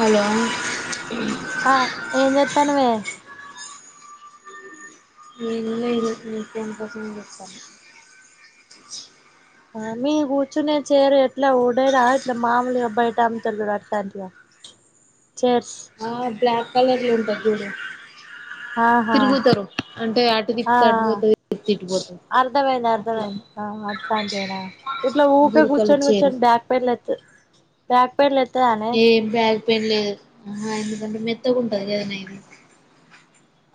Hello ఆ ఏం చెత్తానవే నేను [unintelligible] ఆ మీ కూర్చుచునే చేరు ఎట్లా ఉడే రావట్లా మామూలుగా బయట అమ్ముతున్నారు అట్లాంటిద ఆ బ్లాక్ కలర్లో ఉంటది చూడు ఆహా తిరుగుతారు అంటే అంటుతిప్తే అటు పోతది తిప్తే ఇటు పోతది అర్ధమైంది అట్లా అర్ధమైంది అ అట్లాంటివేన ఇట్లా ఊకే గురకలు కూర్చొని చేరు కూర్చొని బక్ అక్కర్లేదు డాక్టర్ లైతేఅనే లేదు లేదు ఆహా ఎందుకంటే మెత్తగంటది కదనే ఇది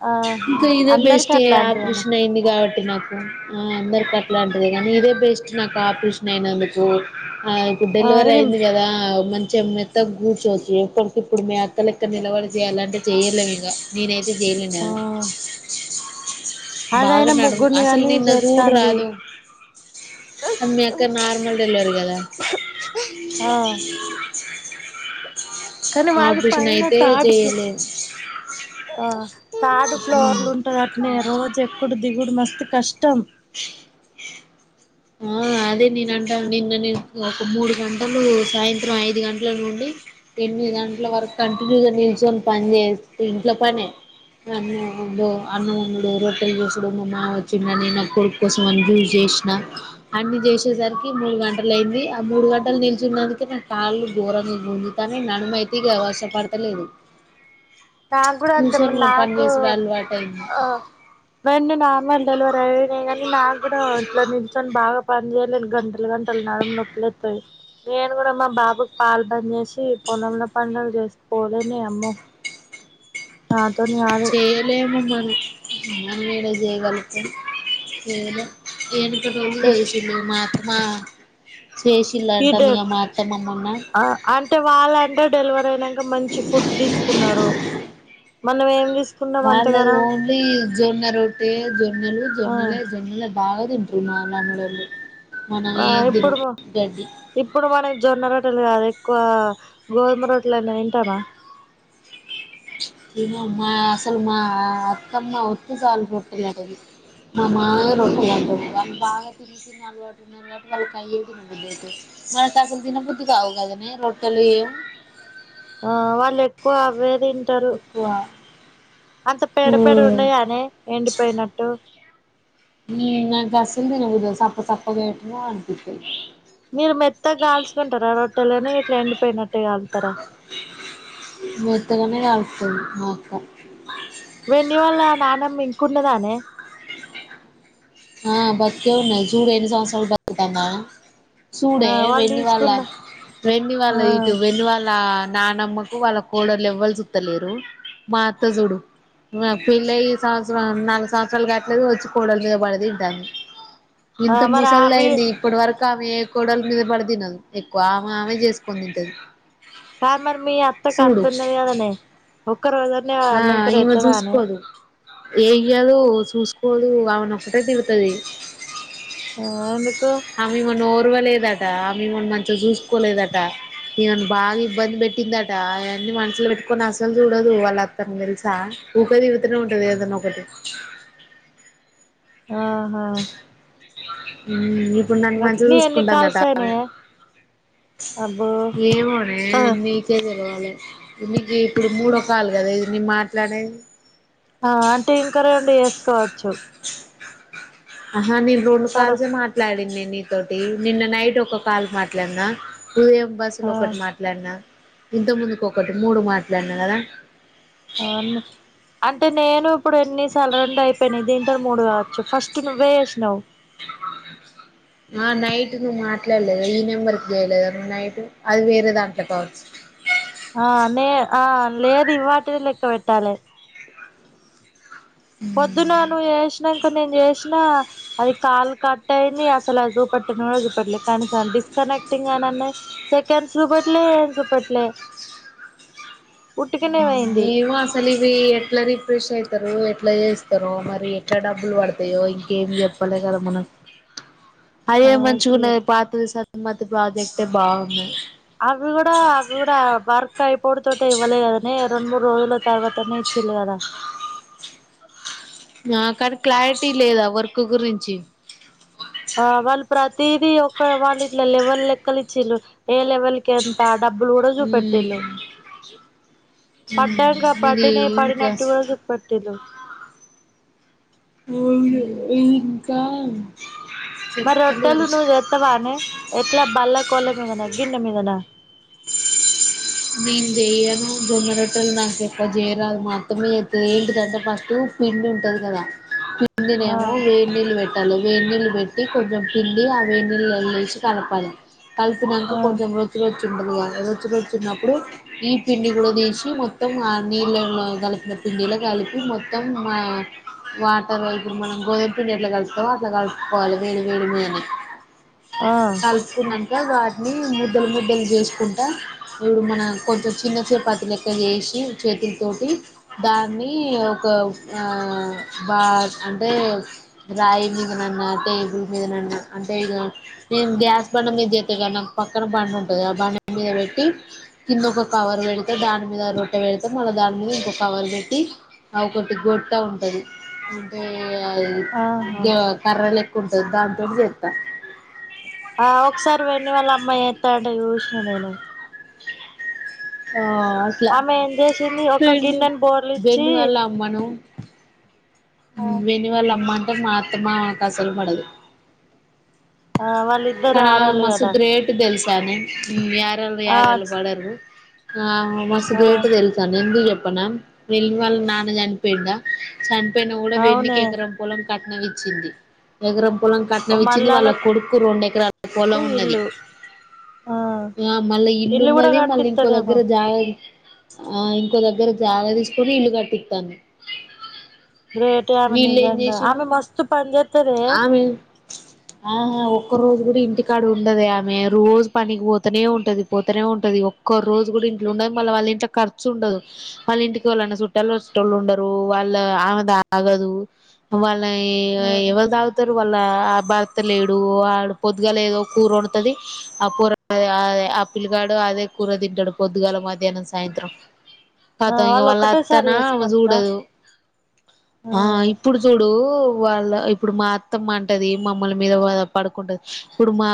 ఆహా ఇంకా ఇదే అందరికి బెస్టే అట్లాంటివేనా ఆపరేషన్ అయింది కాబట్టి నాకు ఆ అందరిక అట్లాంటిదే కానీ ఇదే బెస్ట్ నాకు ఆపరషన్ అయినందుకు ఆ ఇపుడు ఆ డెలివరీ ఇది అయింది కదా మంచిగ మెత్తగా కూర్చోవచ్చు ఎప్పటికి ఇప్పుడు మీ కలెక్టర్ నిలవడి చేయాలంటే చేయలేమ్ ఇంగ నేనైతే చేయలే ఆ నను బాగా అదైనా నడము ముగ్గుర్ని అసలు గాని నిన్న చూడ చేత్తాంది రాదు అమ్ మీ అక్కది నార్మల్ డెలివరీ కదా ఆ కానీ వాళ్ళు ఆపరేషన్ పైన అయితే తాడ్ ఫ్లో చేయలేదు ఆ థర్డ్ ఫ్లోర్లు ఉంటదఅట్నే రోజు ఎక్కుడు దిగుడు మస్తు కష్టం ఆ అదే నేన్ అంటాన నిన్న నీకు ఒక మూడు గంటలు సాయం త్రం ఐదు గంటల నుండి ఎనిమిది గంటల వరకు కంటిన్యూగా నిల్చొని పని చేస్తే ఇంట్లో పనే అన్నం అన్నమొండుడు రొట్టెలు చేసుడు మా మామ వచ్చిండనీ నా కొడుకోసం అని జూస్ చేసిన అన్ని చేసేసరికి మూడు గంటలు అయింది ఆ మూడు గంటలు నిలిచున్నందుకే నా కాళ్ళు గోరంగా గుంజుతానై నడుమైతీగావశపడతలేదు నాకు కూడా అంతే మరి పని నాకు చేసుడు అలవాటు అయింది ఆ మండి నార్మల్ డెలివరీ అయినయి గాని నాకు కూడా ఇంట్లో నిల్చొని బాగా పని చేయలేను గంటలు గంటలు నడం నొప్పులు లేతది నేను కూడా మా బాబుకి పాలు బంద్ చేసి పొలంలో పనీ చేసుకోలేనే అమ్మో అ చేయలేము మనం మనం ఏడ చేయగల్తం ఏమో ఏనప్పు రోజులు చేసిరు మా మా ఇల్లాంటా మీ పీటర్ మా అత్తమ్మ ఆ అంటే వాళ్ళంటే డెలివరీ అయినంక మంచి ఫుడ్ తీసుకున్నారు మనం ఏం తీస్ వాళ్ళది ఓన్లీ జొన్న రొట్టె జొన్నలు ఆ జొన్నలే జొన్నల బాగా తింటున్న ఉన్నాన్ని రోజులు ఆ ఇప్పుడు మ ఇప్పుడు మనక్ జొన్న రొట్టెలు కాదే కో గోధుమ రొట్టెలైన తింటానా ఇమ మా అసలు మా అత్తమ్మా ఒత్తే సాలు రొట్టెలంటది మా మావయ్య రొట్టల్ అంటాడు మనకి అసలు తిన బుద్ది కావుగాదనే రొట్టెలు ఆ వాళ్ళు ఎక్కువ అవే తింటారు ఎక్కువ అంత పేడ పేడ ఉండయానే ఎండిపోయినట్టు నీ నాక్ అస్సలు తినబుద్ది కదు సప్ప సప్పగా ఏటానో అనిపితాయి మీరు మెత్తగాకాల్చికుంటారా రొట్టెలని ఇట్లా ఎండిపోయినట్ మేత్తగానే కలుస్తాది మా అక్క వెన్నీ వాళ్ళ నానమ్మ ఇంకున్నదానే ఆ బతికే ఉనాది చూడు ఎన్ని సంవత్సరాలు బతుకుతాందో ఆమె చూడే ఆ వాళ్ళు వెన్నీ వాళ్ళ తీసుకున్న వెన్నీ వాళ్ళ ఆ ఇటు వెన్నీ వాళ్ళ నానమ్మకు వాళ్ళ కోడలు ఎవ్వల్ చుతలేరు మా అత్తజుడు నక్ పెళ్లయి సంవత్సరం నాలుగు సంవత్సరాలు కాట్లేదు వచ్చి కోడల మీద పడి తింటంది ఆ ఇంత మరి మూసళ్ద్ అవి అయింది ఇప్పటి వరకు క ఆమె ఏ కోడల మీద పడి తినదు ఎక్కువ ఆమె ఆమె చేసుకొని తింటది కాద్ మరి మీ అత్తకి చూడు అత్తున్నది కదనే ఒక రోజన్న అన్నంకూర ఎత్తదానే ఏ ఏయ్యదు చూసుకొదు ఆమెను ఒకటే తిడ్తాది ఆ ఎందుకు ఆమె మొన్న ఓర్వలేదట ఆమెను మనం మంచిగా చూసుకోలేదట ఈమను బాగా ఇబ్బంది పెట్టిందట అవన్నీ మనసులో పెట్టుకొని అసలు చూడదు వాళ్ళ అత్ తన్ తెలుసా ఉకె తిడ్తానే ఉంటది ఏదన ఒకటి అహ హ్మ్ ఇప్పుడు నన్ను మంచిగా చూసుకుంటాందట కాల్స్ ఆమె అయినయే అబ్బో ఏమోనే నీకే తెల్వ నీకు ఇప్పుడు ముడో కాల్ కదా ఇది నీ మాట్లాడేది ఆ అంటే ఇంకా రెండు చేసుకోవచ్చు ఆహా నేను రెండు తరు కాల్స్ ఎ మాట్లాడిన్నే నీతోటి నిన్న నైట్ ఒక కాల్ మాట్లాడినఉదయం ఆ బస్సులో ఒకటి మాట్లాడిన ఇంతక్ ముందుకు ఒకటి మూడు మాట్లాడిన కదా అవన్నీ అంటే నేను ఇప్పుడు ఎన్నిసార్లు రెండు అయిపోయినాయి దీంతో మూడు కావచ్చు ఫస్ట్ నువ్వే చేశినవ్ [inaudible] ఆ నైట్ నువ్వు మాట్లాడలేదు ఈ నెంబర్కి చేయలేదు నువ్వు నైట్ అది వేరె దాంట్లో కావచ్చు ఆ నే ఆ లేదు ఇవాటిదే లెక్క పెట్టాలె పొద్దున నువు చేశిన ంక నేను చేసినా అది కాల్ కట్ అయింది అసలు అది చూపెట్టన్ కూడా చూపెట్టలే కనీసం అది డిస్ కనెక్టింగ్ అని అన్నది సెకండ్స్ చూపెట్లే ఏమ్ చూపెట్లే ఉట్టిగనే ఉం పోయింది ఏమో అసల్ ఇవి ఎట్లా రిఫ్రెష్ అయి ఇస్తారు ఎట్లా చేస్తారొ మరి ఎట్లా డబ్బులు పడతాయో ఇంకేం చెప్పాలె కదా మనక్ [inaudible] అదే చూ మంచిగాఉన్నది పాతది సన్మతి ప్రాజెక్టే బాగున్నది పొడు తోటె ఇవ్వలే కదానే రెండు మూడు రోజుల తర్వాతనే ఇచ్చిలు కదా ఆ కని క్లారిటీ లేదా వర్క్ గురించి ఆ వాళ్ళు ప్రతిది ఒక వాళ్ళు ఇట్లా లెవల్ లెక్కలిచిలు ఏ లెవెల్ కి ఎంత డబ్బులు కూడా చూపెట్టిళ్లు పడ్డంక ఇది పడినాయి పడినట్టుగా చూపెట్టిల్లు ఇంకా మరి రోట్టలు చెప్తలేరు ను చేత్తవనే ఎట్లా బాల్ల కొల్ల మీదనా గిన్న మీదనా నేను జెయ్యను జొన్న రొట్టలు నాకు ఎక్కువ జెయ్యరాదు మాత్తమ్మ చేత్తది ఏంటిదంటే ఫస్టు పిండి ఉంటది కదా ఆ పిండినేమో వేడి నీళ్లు పె ట్టలె వేడినీళ్లు పెట్టి కొంచెం పిండి ఆ వే నిళ్ళలేసి కలపాలి కలిపినంక ఆ కొంచెం రొచ్చు రొచ్చు ఉంటదిగా రోచ్చు రొచ్చు న్నప్పుడు ఈ పిండి కూడా తీసి మొత్తంఆ నీళ్ళలో కలిపిన పిండిలోకలిపి మొ మొం ఆ వాటర్ ఇప్పుడు మనం గోదుమ పిండి ఎట్లా కలుపుతామో అట్లా కలుపుకోవాలె వేడి వేడి మీద ఆ కాల్పునంక వాటిని ముద్దలు ముద్దలు జెస్కుంటా డు మన కొంచెం చిన్న చపాతి లెక్క చేేసి చేతులతోటి దాన్ని ఒక ఆహ్ బ అంటే రాయి మీదనన్నా టేబుల్ మీదనాన అంటే ఇగ నేను గ్యాస్ బండ మీద జెస్తా కదా నాకు పక్కన బండ ఉంటందిగ ఆ బండ మీద పె ట్టి కింద ఒక కవర్ పెడిత దాని మీద రొట్టె పెడిత మళ్ళ దాని మీద ఇంకొక కవర్ పెట్టి ఆ ఒకటి గొట్ట ఉంటది ఉం టె ఆహా గ కర్రలెక్కుటంది దాని తోటి చేత్త ఆ ఒకసారి వెన్ని వాళ్ళ అమ్మాయి చేత్తంటే చూసిన నేను ఆ అట్ల ఆమె ఏం చేసింది ఒక వెన్ని గిన్నెని బోర్లిచ్చి వెన్ని వాల్ల అమ్మను ఆ వెన్ని వాళ్ళ అమ్మ అంటే మా అత్తమామ కు అసలు పడదు ఆ వాళ్ళిద్దరు కని ఆమె ఆరాలు మస్తు కదా గ్రేట్ తెల్స్ యారాలు ఆ యారాలు పడరు ఆమె మస్తు ఆ గ్రేట్ తెలుసానె ఎందుకు చెప్పు కునం వెన్ని వాళ్ల నాన్న చనిపోయిండా చనిపోయిన గూడా వెన్నికి అవునే ఎకరం పొలం కట్నం ఇచ్చింది ఎగరం పొలం కట్నం ఇచ్చింది వాళ్ళ కొడుకు రొండె కు ఇల్లు ఆ ఆ మళ్ళ ఇల్లు కూడా ఇల్లున్నది మళ్ళింకో కట్టిత్తదేమో దగ్గర జాగ ఆ ఇంకొ దగ్గర జాగ తీసుకొని ఇల్లు కట్టితాంది గ్రేటే ఆమె నిజంగా విల్లెంచేసిల్లు ఆమె మస్తు పని చేత్తదే ఆమె ఆ ఒక్క రోజు గూడ ఇంటికాడ ఉండదే ఆమె రోజు పనికి పోతనే ఉంటది పోతనే ఉంటది ఒక్క రోజు గూడ ఇన్ ట్లుండది మళ్ళ వాళ్ళ ఇంట్ల ఖర్చు ఉండదు వాళ్ళ ఇంటికి ఎవల్లన్న చుట్టాలు వచ్చేటోళ్ళు ఉండరు వాళ్ళ ఆమె తాగదు వాళ్ళ ఎ ఎవరు తాగుతారు వాళ్ళ ఆ భర్త లేడు వాడ్ పొద్దుగా లేదో కూరొండుతది ఆ పోరాడ్ అదె ఆ పిల్ల గాడు అదే కూర తింటడు పొద్దుగా ల మధ్యాహ్నం సాయంత్రం ఆ కతం ఇగ వాళ్ళు వాళ్ళ ఒక్కటేసారి అత్తనా అమె చేసుకుంటరా జూడదు ఆ ఆహ్ ఇప్పుడు జూడు ఉ వాళ్ళ ఇప్పుడు మా అత్తమ్మ అంటది మమ్మల్ని మీద వాద పడుకుంటది ఇప్పుడు మా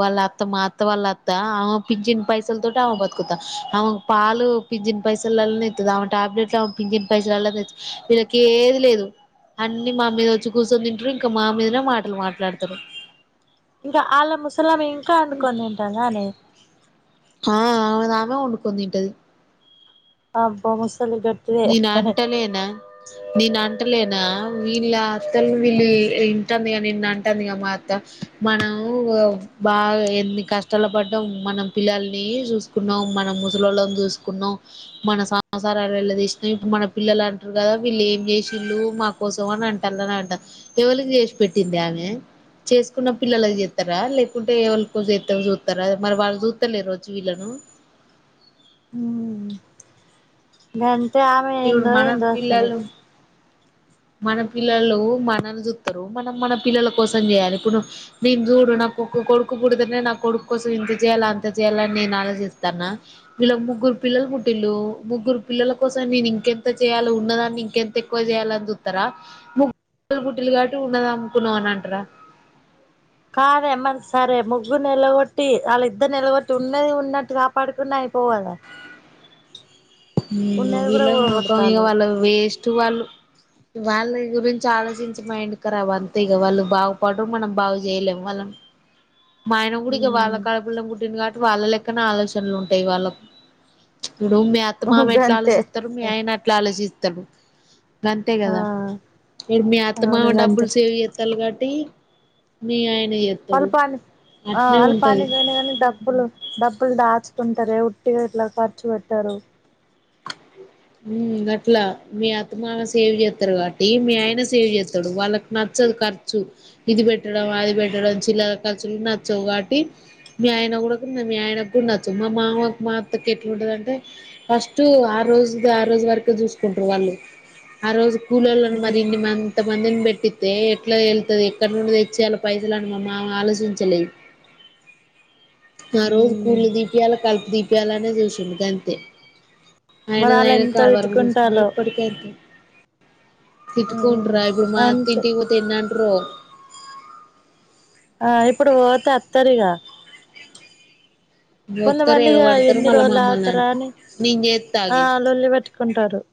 వాళ్ళ అత్త మా అత్త వాళ్ళ అత్త ఆమె పించిన్ పైసల్ తోటి ఆమె బతుకుతా అ ఆమెకు పాలు పించిన్ పైసలలనే ఇతది ఆమె టాబ్లెట్లు ఆమె పించిన్ పైసల తెచి వీళ్ళకి ఏది లేదు అన్ని మా మీద వచ్చి కూసొని తింటరు ఇంకా మా మీదనే మాటలు మాట్లాడతరు ఇంక ఆళ్ల ముసలమె ఇంకా ఒండుకొని తింటాందానే ఆ ఆమెదామే ఓండుకొన్ తింటది ఆబ్బా ముస్ నేనాంటలేనా నేను అంటలేనా వీళ్ళ అత్తల్ వీళ్ళు వి వింటంది నిన్నంటందిగా మా అత్త మనం వ బాగా ఎన్ని కష్టాల పడ్డం మనం పిల్లల్ని చూసుకున్నం మనం ముసలొల్లం చూసుకున్నం మన సంసారాలు ఎల్లదిస్ ఇప్పుడు మన పిల్లలు అంటరు గదా వీళ్ళు ఏం చేశిళ్ళు మా కోసం అనంటాల్ అనంట ఎవలు చేశ్ పెట్టింది ఆమె చేసుకున్న పిల్లలక్ జేత్తరా లేకుంటే ఎవళ్కో జేత్తే జూత్తరా మరి వాళ్ళు జూత్తలేరొచ్చి వీళ్ళను మ్ గంతె ఆమె ఇప్పుడు ఎందో మన ఏందో అసలు పిల్లలు మన పిల్లలు మనల్ని జూత్తరు మనం మన పిల్లల కోసం జేయాలి ఇప్పుడు నేను చూడూ న కొ కొ కొడుకు పుడతనే నా కొడుకు కోసం ఇంత చేయాల అంత చేయాలని అని నేను ఆలోచిస్తాన్న విళ్ళకు ముగ్గురు పిల్లలు పుట్టిల్లు ముగ్గురు పిల్లల కోసం నేనింకేంత చేయాల ఉన్నదాన్ని ఇంకెంత ఎక్కువ చేయాలి అని జూ త్తర ముగ్గు పిల్లలు పుట్టిలు కాబట్టి ఉన్నదమ్ముకున్నం అని అంటరా కాదేమరి సరే ముగ్గుర్నేల్లగొట్టి వాళ్ళ ఇద్దర్నిలగొట్టి ఉన్నది ఉన్నట్టు కాపాడుకున్నా అయ్ పోవ్ గదా వీళ్ళ మొఖం ఇగ ఊడగొడతాళ్ళు వాళ్ళ వేస్ట్ వాళ్ళు వాళ్ళ గురించి ఆలోచించి మైండ్ ఖరాబ్ అంతే ఇగ వాళ్ళు బాగుపడరు మనం బాగు జేయలేము వాళ్ళన్ మా ఆయన గుడ ఇగ వాళ్ళా ఉమ్ కడుపుల్నే పుట్టిండు కాబట్టి వాళ్ళ లెక్ క్కనే ఆలోచనలు ఉంటయి వాళ్ళకు ఇప్పుడు మీ అత్తమామ ఎట్ల గంతే ఆలోచిస్తరు మీ ఆయన అట్లే ఆలోచిస్తడు అంతే ఆ గదా ఇపుడు మీ అత్తమామ అవును గంతే డబ్బులు సేవ్ జేత్తల్లు కబట్ ట్టి మీ ఆయన జేత్తడు ఆహ్ వాళ్ళు పనికి పోయినా గనీ డబ్బులు డబ్బులు దచ్ కుంటరే ఉట్టిగ ఇట్ల ఖర్చు పెట్టరు ఉమ్ గట్ల మీ అత్తమామ సేవ్ జేత్తరు కాబట్టి మీ ఆయన సేవ్ జేత్తడు వాళ్ళకి న చ్చదు ఖర్చు ఇది పెట్టడం అది పెట్టడం చిల్లర ఖర్చులు నచ్చవు కాబట్టి మీ ఆయన మీ ఆయన గుడ నచ్చదు మా మామక్ మా అత్తకి ఎట్లుంటదంటే ఫస్ట్ ఆ రోజు ది ఆ రోజు వరకు చూసుకుంటరు వాళ్ళు ఆ రోజు కూల్లోలను మరి ఇన్ని మంత మందిని పెట్టిత్తే ఎట్లా యేళ్తది. ఎక్కడి నుండి తెచ్చియలి పైసలు అని మా మామ ఆలోచించలే. ఆ రోజు మ్మ్ కూళ్ళుదీపియాల కల్పుదీప్యాలనే చూసిండు గంతే మరి లేదా ఆళ్ళు ఆయన ఎంత కాలు వరకి చూస్కోని తిట్టుకుంటాలో ఇప్పటికంతే తిట్టుకుంట్రా ఇప్పుడు అంతే మాత్తింటికి పోతె ఎన్నంటారో. ఆ ఇప్పుడు ఓతే అత్తరిగా వత్తరు కొంతమంది ఇగా ఎగబడతారు ఎన్ని మళ్ళా రోజులు మమ్మల్ని ఆతార అంటారు నే నేను చేత్తా ఆ ఆగే లోల్లి పేట్టుకుంటారు.